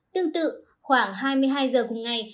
tương tự khoảng hai mươi hai h cùng ngày